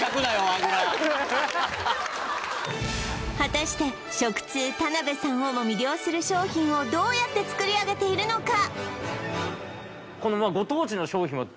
あぐら果たして食通田辺さんをも魅了する商品をどうやって作り上げているのか？